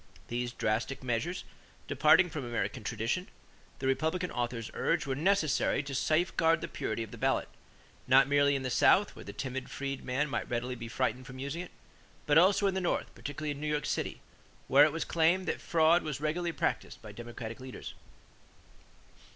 These drastic measures, departing from American tradition, the Republican authors urged, were necessary to safeguard the purity of the ballot, not merely in the South where the timid freedman might readily be frightened from using it; but also in the North, particularly in New York City, where it was claimed that fraud was regularly practiced by Democratic leaders.